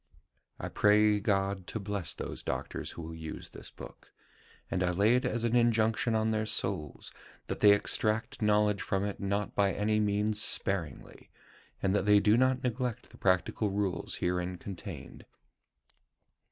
"I pray God to bless those doctors who will use this book; and I lay it as an injunction on their souls, that they extract knowledge from it not by any means sparingly, and that they do not neglect the practical rules herein contained.